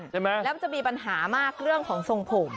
มันจะมีปัญหามากเรื่องของทรงผม